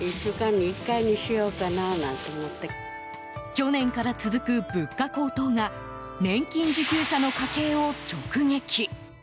去年から続く物価高騰が年金受給者の家計を直撃。